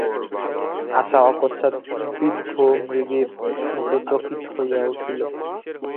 আশা অকসমাৎ বিদ্ধ মৃগীর মতো চকিত হইয়া উঠিল।